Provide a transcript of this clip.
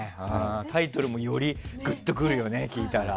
タイトルもよりグッとくるよね聞いたら。